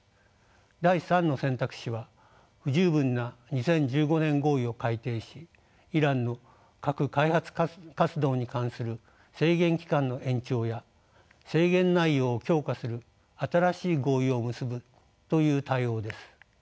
第３の選択肢は不十分な２０１５年合意を改定しイランの核開発活動に関する制限期間の延長や制限内容を強化する新しい合意を結ぶという対応です。